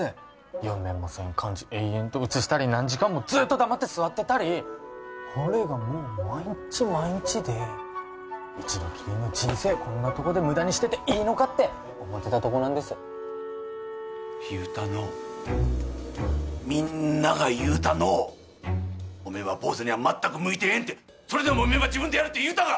読めもせん漢字延々と写したり何時間もずっと黙って座ってたりほれがもう毎日毎日で一度きりの人生こんなとこで無駄にしてていいのかって思ってたとこなんです・言うたのうみんなが言うたのうおめは坊主にはまったく向いてえんてそれでもおめは自分でやるって言うたが！